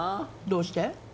どうして？